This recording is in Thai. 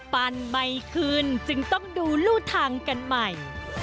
ไม่คืนจึงต้องดูรูทางกันใหม่